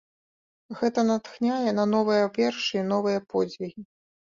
Гэта натхняе на новыя вершы і новыя подзвігі.